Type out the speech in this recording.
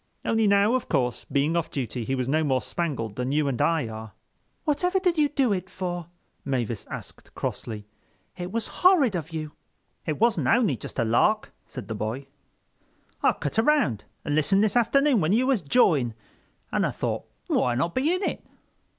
Only now, of course, being off duty he was no more spangled than you and I are. "Whatever did you do it for?" Mavis asked crossly. "It was horrid of you." "It wasn't only just a lark," said the boy. "I cut around and listened this afternoon when you was jawing, and I thought why not be in it?